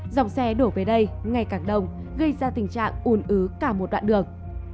dòng xe đổ về đây ngày càng đông gây ra tình trạng ùn ứ cả một đoạn đường